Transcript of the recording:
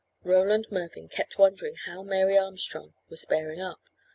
Roland Mervyn kept wondering how Mary Armstrong was bearing up.